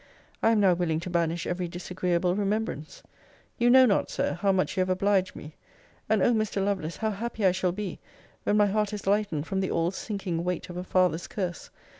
I am now willing to banish every disagreeable remembrance. You know not, Sir, how much you have obliged me. And O Mr. Lovelace, how happy I shall be, when my heart is lightened from the all sinking weight of a father's curse!